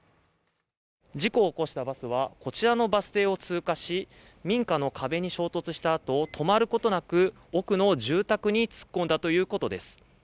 事故を起こしたバスは、こちらのバス停を通過し、民家の壁に衝突したあと、止まることなく奥の住宅に突っ込んだということです。